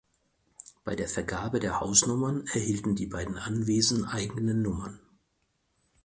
Bei der Vergabe der Hausnummern erhielten die beiden Anwesen eigene Nummern.